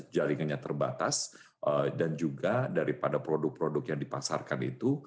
jaringannya terbatas dan juga daripada produk produk yang dipasarkan itu